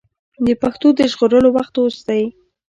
د پښتو د ژغورلو وخت اوس دی.